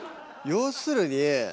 要するに。